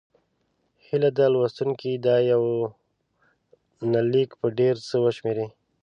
هيله ده لوستونکي دا یونلیک په ډېر څه وشمېري.